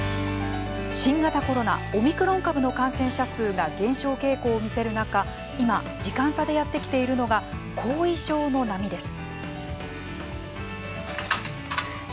新型コロナ、オミクロン株の感染者数が減少傾向を見せる中今、時間差でやってきているのが後遺症の波です。